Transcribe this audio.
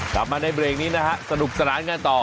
กลับมาในเบรกนี้นะฮะสนุกสนานกันต่อ